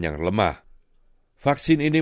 yang lemah vaksin ini